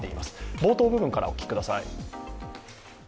冒頭部分からお聞きください。